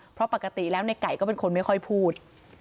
เพราะปกติแล้วในไก่ก็เป็นคนไม่ค่อยพูด